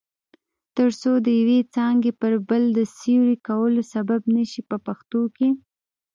ترڅو د یوې څانګې پر بله د سیوري کولو سبب نشي په پښتو کې.